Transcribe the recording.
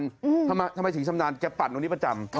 ทำไมถึงชำนาญแกปั่นตรงนี้ประจำ